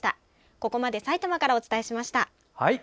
ここまでさいたまからお伝えしました。